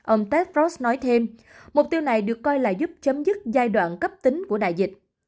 ông tedfrost nói thêm mục tiêu này được coi là giúp chấm dứt giai đoạn cấp tính của đại dịch